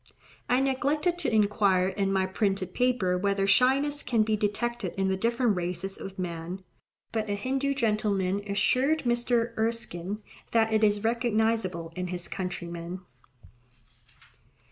I neglected to inquire in my printed paper whether shyness can be detected in the different races of man; but a Hindoo gentleman assured Mr. Erskine that it is recognizable in his countrymen.